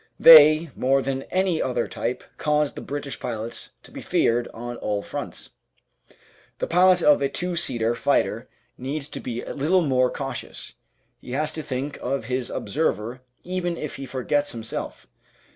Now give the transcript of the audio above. They, more than any other type, caused the British pilots to be feared on all fronts. The pilot of a two seater fighter needs to be a little more cautious; he has to think of his observer even if he forgets him self.